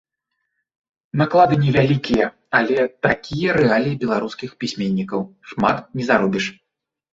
Наклады не вялікія, але такія рэаліі беларускіх пісьменнікаў, шмат не заробіш.